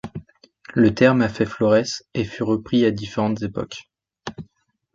Le terme a fait florès et fut repris à différentes époques.